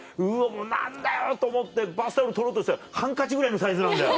もう何だよと思ってバスタオル取ろうとしたらハンカチぐらいのサイズなんだよ